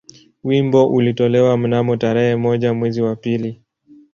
Wimbo ulitolewa mnamo tarehe moja mwezi wa pili